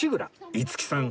五木さん